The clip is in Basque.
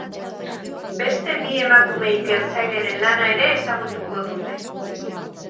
Beste bi emakume ikertzaileren lana ere ezagutuko dute.